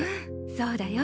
そうだよ。